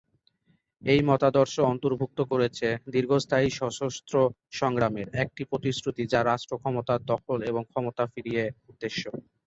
এই মতাদর্শ অন্তর্ভুক্ত করেছে "দীর্ঘস্থায়ী সশস্ত্র সংগ্রামের" একটি প্রতিশ্রুতি যা রাষ্ট্র ক্ষমতার দখল এবং ক্ষমতা ফিরিয়ে উদ্দেশ্যে।